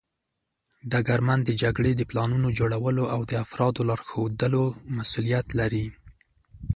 ډګرمن د جګړې د پلانونو جوړولو او د افرادو لارښودلو مسوولیت لري.